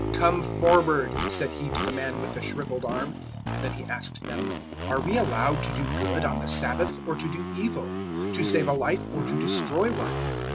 003:003 "Come forward," said He to the man with the shrivelled arm. 003:004 Then He asked them, "Are we allowed to do good on the Sabbath, or to do evil? to save a life, or to destroy one?"